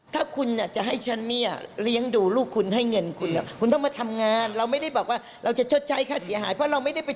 บอกว่าจะส่งเสียลูกเขาเรียนจนจบเรียนยาเตรียน